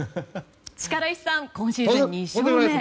力石さん、今シーズン２勝目。